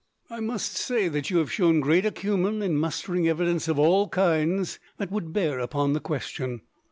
"I must say that you have shown great acumen in mustering evidence, of all kinds, that would bear upon the question.